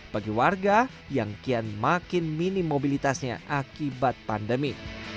bagi warga yang kian makin minim mobilitasnya akibat pandemi